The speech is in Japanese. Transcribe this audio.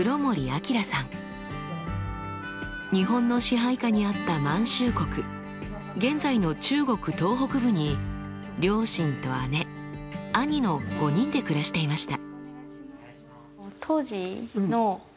日本の支配下にあった満州国現在の中国東北部に両親と姉兄の５人で暮らしていました。